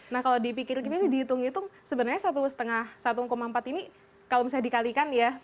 nah kalau dipikirkan dihitung hitung sebenarnya satu empat ini kalau misalnya dikalikan ya